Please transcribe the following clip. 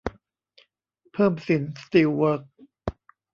เพิ่มสินสตีลเวิคส์